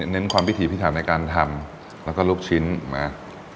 เน้นความพิถีพิถาภิการในการทำแล้วก็รูชิ้นมา